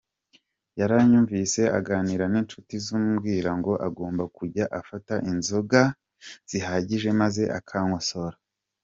Yaranyumvise aganira n’inshuti zimubwira ko agomba kujya afata inzoga zihagije maze akankosora.